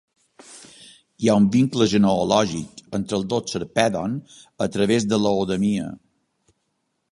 Hi ha un vincle genealògic entre els dos Sarpèdon, a través de Laodamia.